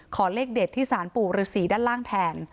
เลขเด็ดที่สารปู่ฤษีด้านล่างแทน